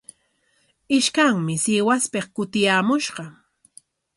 Ishkanmi Sihuaspik kutiyaamushqa.